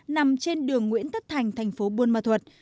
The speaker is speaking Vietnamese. nằm trên đường nguyễn tất thành thành phố buôn ma thuật